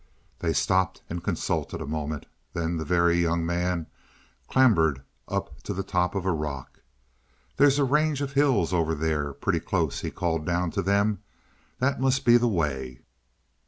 They stopped and consulted a moment; then the Very Young Man clambered up to the top of a rock. "There's a range of hills over there pretty close," he called down to them. "That must be the way."